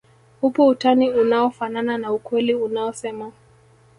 upo utani unaofanana na ukweli unaosema